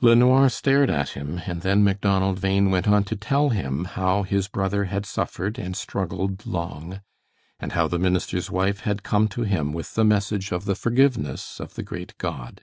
LeNoir stared at him, and then Macdonald Bhain went on to tell him how his brother had suffered and struggled long, and how the minister's wife had come to him with the message of the forgiveness of the great God.